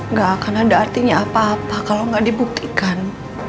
nggak akan ada artinya apa apa kalau nggak dibuktikan